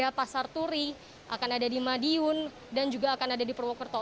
ada pasar turi akan ada di madiun dan juga akan ada di purwokerto